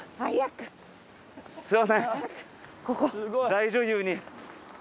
大女優に。